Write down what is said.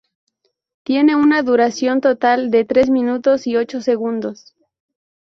Tiene una duración total de tres minutos y ocho segundos.